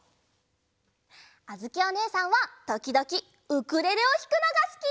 あづきおねえさんはときどきウクレレをひくのがすき！